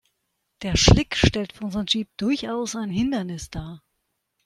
Der Schlick stellt für unseren Jeep durchaus ein Hindernis dar.